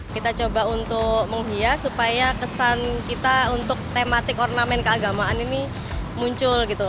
kita coba untuk menghias supaya kesan kita untuk tematik ornamen keagamaan ini muncul gitu